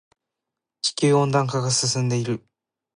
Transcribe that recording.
地球温暖化が進んでいる。